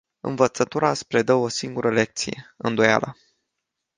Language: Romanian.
Învățătura îți predă o singură lecție: îndoiala!